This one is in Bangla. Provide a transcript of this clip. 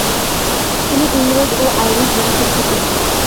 তিনি ইংরেজ ও আইরিশ বংশোদ্ভূত।